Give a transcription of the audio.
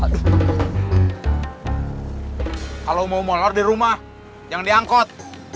kalau mau molor di rumah jangan diangkot